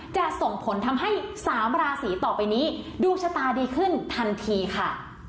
จะส่งผลทำให้๓ราศีต่อไปนี้ดวงชะตาดีขึ้นทันทีค่ะ